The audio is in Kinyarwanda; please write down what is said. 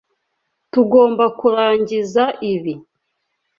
Tugomba kurangiza ibi.